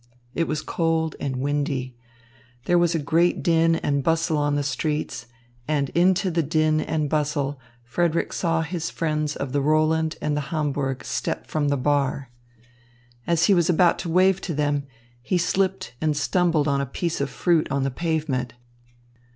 It was cold and windy. There was a great din and bustle on the streets, and into the din and bustle Frederick saw his friends of the Roland and the Hamburg step from the bar. As he was about to wave to them, he slipped and stumbled on a piece of fruit on the pavement.